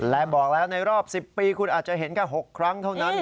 และบอกแล้วในรอบ๑๐ปีคุณอาจจะเห็นแค่๖ครั้งเท่านั้น